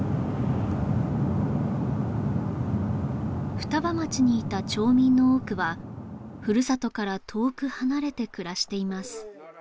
双葉町にいた町民の多くはふるさとから遠く離れて暮らしています